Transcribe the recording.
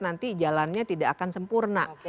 nanti jalannya tidak akan sempurna